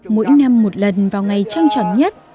mỗi năm một lần vào ngày trăng tròn nhất